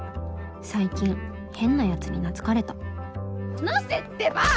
最近変なヤツに懐かれた離せってば！